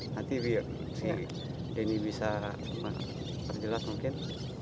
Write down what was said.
nanti si denny bisa terjelas mungkin